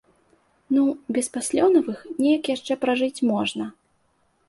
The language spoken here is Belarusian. Ну, без паслёнавых неяк яшчэ пражыць можна.